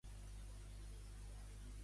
Què va afegir-hi Maxenci?